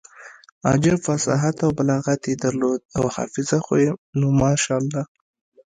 عجب فصاحت او بلاغت يې درلود او حافظه خو يې نو ماشاالله.